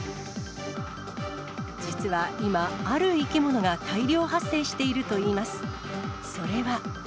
実は今、ある生き物が大量発生しているといいます。